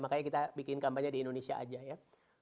makanya kita bikin kampanye di indonesia aja ya